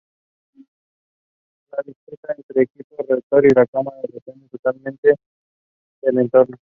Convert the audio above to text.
La distancia entre el equipo receptor y la cámara depende totalmente del entorno.